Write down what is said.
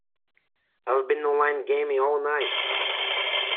I've been online gaming all night.